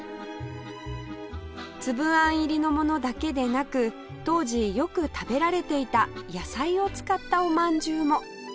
粒あん入りのものだけでなく当時よく食べられていた野菜を使ったおまんじゅうも